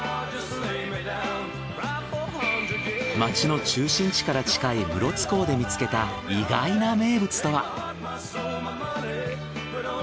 街の中心地から近い室津港で見つけた意外な名物とは？